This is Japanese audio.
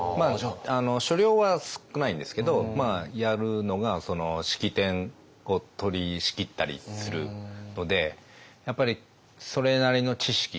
所領は少ないんですけどやるのが式典を取りしきったりするのでやっぱりそれなりの知識っていうんですかね